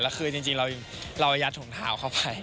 แล้วคือจริงเรายัดถุงเท้าเข้าไป